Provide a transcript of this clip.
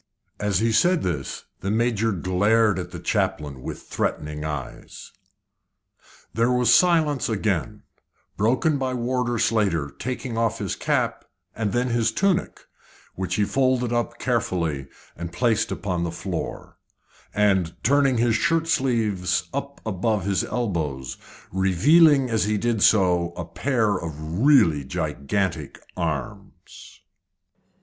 As he said this the Major glared at the chaplain with threatening eyes. There was silence again, broken by Warder Slater taking off his cap and then his tunic, which he folded up carefully and placed upon the floor, and turning his shirt sleeves up above his elbows, revealing as he did so a pair of really gigantic arms.